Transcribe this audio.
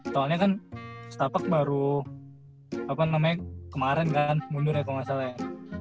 soalnya kan stapak baru apa namanya kemaren kan mundur ya kalau gak salah ya